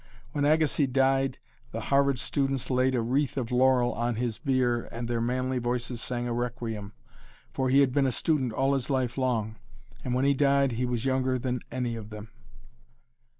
When Agassiz died, the Harvard students "laid a wreath of laurel on his bier and their manly voices sang a requiem, for he had been a student all his life long, and when he died he was younger than any of them."